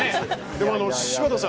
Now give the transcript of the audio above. でも柴田さん